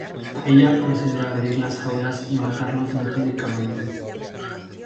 Ella procede a abrir las jaulas y matarlos metódicamente.